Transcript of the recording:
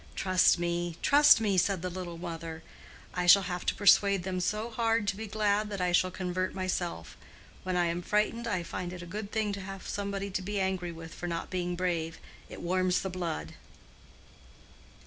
"Trust me, trust me," said the little mother. "I shall have to persuade them so hard to be glad, that I shall convert myself. When I am frightened I find it a good thing to have somebody to be angry with for not being brave: it warms the blood."